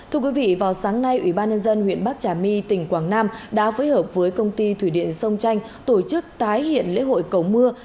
thưa quý vị vào sáng nay ủy ban nhân dân huyện bắc trà my tỉnh quảng nam đã phối hợp với công ty thủy điện sông tranh tổ chức tái hiện lễ hội cầu mưa